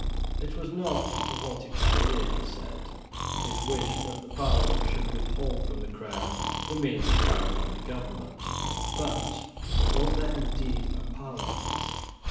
It was not, the haughty Cavalier said, his wish that the Parliament should withhold from the crown the means of carrying on the government. But was there indeed a Parliament?